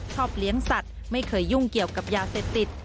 เลี้ยงสัตว์ไม่เคยยุ่งเกี่ยวกับยาเสพติด